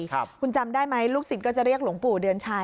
คุณจำได้ไหมลูกศิษย์ก็จะเรียกหลวงปู่เดือนชัย